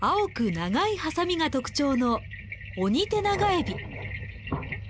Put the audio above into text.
長いハサミが特徴のオニテナガエビ。